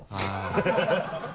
ハハハ